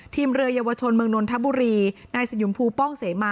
เรือเยาวชนเมืองนนทบุรีนายสยุมภูป้องเสมา